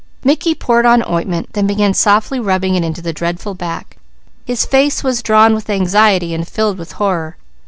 Mickey poured on ointment, then began softly rubbing it into the dreadful back. His face was drawn with anxiety and filled with horror.